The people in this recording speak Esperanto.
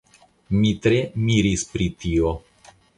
Mi tre miris pri tio.